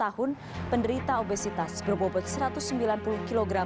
dua puluh tahun penderita obesitas berbobot satu ratus sembilan puluh kg